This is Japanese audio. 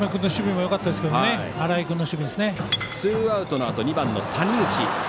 ツーアウトのあと、２番の谷口。